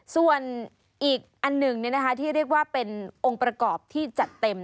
ส่วนอีกอันหนึ่งที่เรียกว่าเป็นองค์ประกอบที่จัดเต็ม